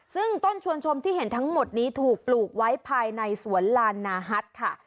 ซึ่งต้นชวนชมที่เห็นทั้งหมดนี้ถูกปลูกไว้ภายในสวนลานาฮัทค่ะ